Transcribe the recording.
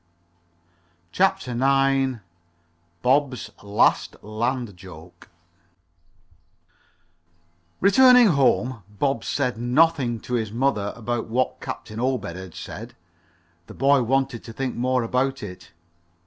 CHAPTER IX BOB'S LAST LAND JOKE Returning home, Bob said nothing to his mother about what Captain Obed had said. The boy wanted to think more about it.